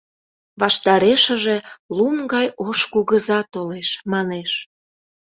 — Ваштарешыже лум гай ош кугыза толеш, манеш.